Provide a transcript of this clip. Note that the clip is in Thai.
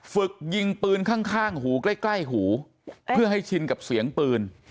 ฝึกยิงปืนข้างหูใกล้ใกล้หูเพื่อให้ชินกับเสียงปืน